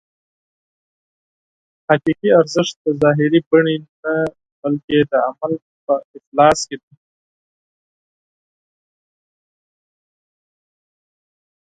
حقیقي ارزښت د ظاهري بڼې نه بلکې د عمل په اخلاص کې دی.